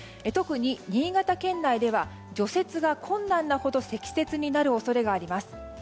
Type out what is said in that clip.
特に新潟県内では除雪が困難なほど積雪になる恐れがあります。